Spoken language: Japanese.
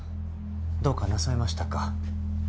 どうかなさいましたか？